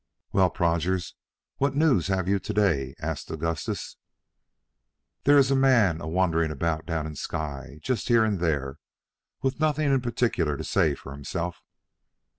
"Well, Prodgers, what news have you to day?" asked Augustus. "There is a man a wandering about down in Skye, just here and there, with nothing in particular to say for himself."